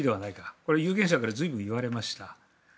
これは有権者から随分言われました。